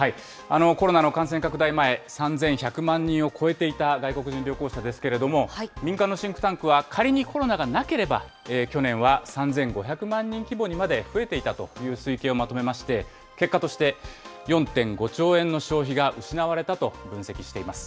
コロナの感染拡大前、３１００万人を超えていた外国人旅行者ですけれども、民間のシンクタンクは、仮にコロナがなければ、去年は３５００万人規模にまで増えていたという推計をまとめまして、結果として、４．５兆円の消費が失われたと分析しています。